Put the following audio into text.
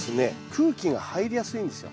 空気が入りやすいんですよ。